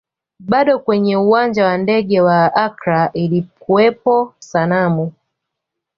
Bado kwenye uwanja wa ndege wa Accra ilikuwepo sanamu